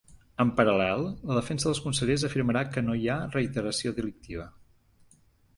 En paral·lel, la defensa dels consellers afirmarà que ‘no hi ha reiteració delictiva’.